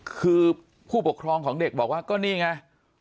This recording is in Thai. คือผู้ปกครองของเด็กบอกว่าก็นี่ไง